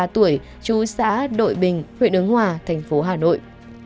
hai mươi ba tuổi chú xã đội bình huyện ứng hòa tp hà nội